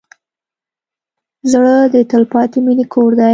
زړه د تلپاتې مینې کور دی.